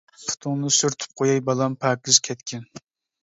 پۇتۇڭنى سۈرتۈپ قوياي بالام، پاكىز كەتكىن!